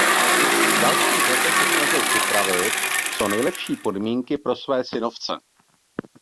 V dalších letech se snažil připravit co nejlepší podmínky pro své synovce.